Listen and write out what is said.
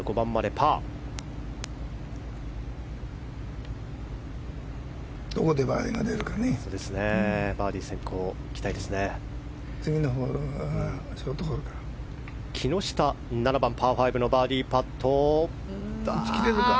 バーディー先行を期待したいですね。